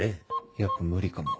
やっぱ無理かも。